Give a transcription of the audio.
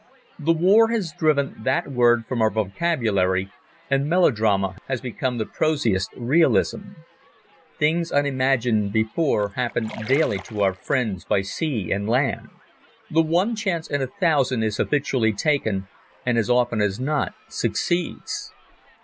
The war has driven that word from our vocabulary, and melodrama has become the prosiest realism. Things unimagined before happen daily to our friends by sea and land. The one chance in a thousand is habitually taken, and as often as not succeeds.